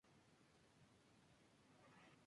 El puente fue reabierto más tarde ese día.